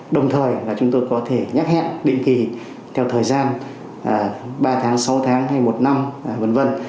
đồng thời là chúng tôi có thể nhắc hẹn định kỳ theo thời gian ba tháng sáu tháng hay một năm v v